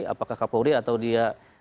apakah kapolri atau dia